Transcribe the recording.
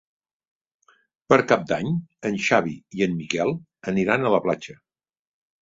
Per Cap d'Any en Xavi i en Miquel aniran a la platja.